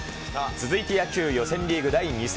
続いて野球予選リーグ第２戦。